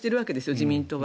自民党は。